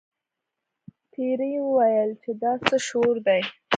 پیري وویل چې دا څه شور دی.